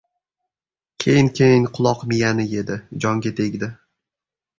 Keyin-keyin quloq-miyani yedi. Jonga tegdi.